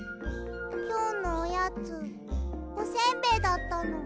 きょうのおやつおせんべいだったの。